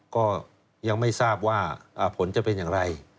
ก็ยังไม่ทราบว่าผลจะเป็นอย่างไร